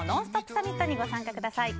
サミットに参加してください。